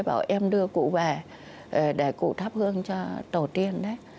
bảo em đưa cụ về để cụ thắp hương cho tổ tiên đấy